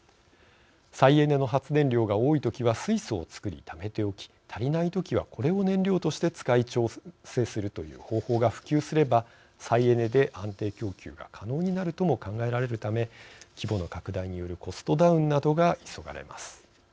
再エネの発電量が多い時は水素を作り、ためておき足りない時はこれを燃料として使い調整するという方法が普及すれば再エネで安定供給が可能になるとも考えられるため規模の拡大によるコストダウンなどが急がれます。